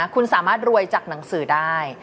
คุณสามารถรวยจากหนังสือได้